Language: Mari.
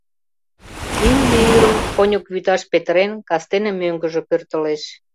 Имне ӱрым коньык вӱташ петырен, кастене мӧҥгыжӧ пӧртылеш.